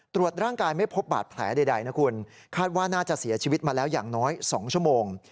ตรวจร่างกายไม่พบบาดแผลใดนะคุณคาดว่าน่าจะเสียชีวิตมาแล้วอย่างน้อย๒ชั่วโมง